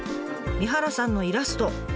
三原さんのイラスト。